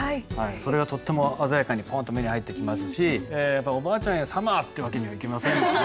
それがとっても鮮やかにポンと目に入ってきますしおばあちゃんへ「ＳＵＭＭＥＲ」って訳にはいきませんもんね。